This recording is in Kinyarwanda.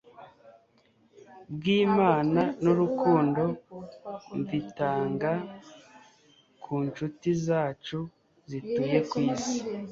bw'Imana n'urukundo mvitanga ku nshuti zacu zituye ku isi.